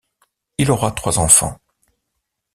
Il aura trois enfants.